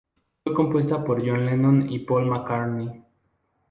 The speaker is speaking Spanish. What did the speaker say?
Fue compuesta por John Lennon y Paul McCartney.